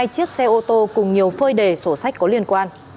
hai chiếc xe ô tô cùng nhiều phơi đề sổ sách có liên quan